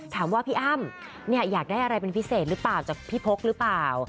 ถามว่าพี่อ้ำอยากได้อะไรเป็นพิเศษหรือเปล่าจากพี่พกหรือเปล่า